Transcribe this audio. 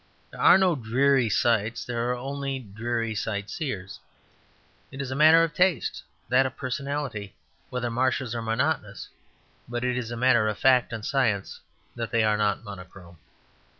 There are no dreary sights; there are only dreary sightseers. It is a matter of taste, that is of personality, whether marshes are monotonous; but it is a matter of fact and science that they are not monochrome.